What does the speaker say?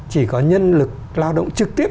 chỉ có nhân lực lao động trực tiếp